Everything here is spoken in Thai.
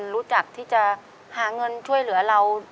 รู้จักที่จะหาเงินช่วยเหลือเรา